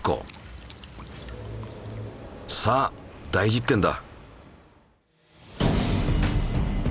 さあ大実験だ！